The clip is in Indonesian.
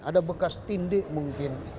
ada bekas tindik mungkin